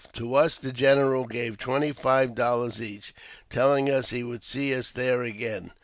To us the general gave twenty five dollars each, telling us he would see us there again.